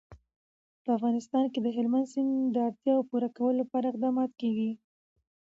په افغانستان کې د هلمند سیند د اړتیاوو پوره کولو لپاره اقدامات کېږي.